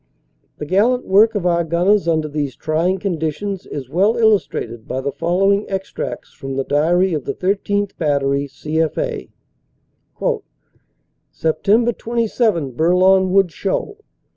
The gallant work of our gunners under these trying con ditions is well illustrated by the following extracts from the diary of the 13th. Battery, C.F.A. "Sept. 27 Bourlon Wood show.